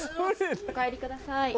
「お帰りください」。